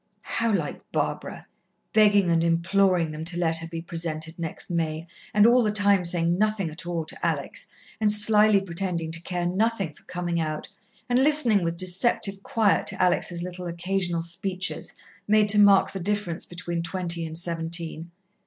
How like Barbara! Begging and imploring them to let her be presented next May, and all the time saying nothing at all to Alex, and slyly pretending to care nothing for coming out, and listening with deceptive quiet to Alex' little occasional speeches made to mark the difference between twenty and seventeen.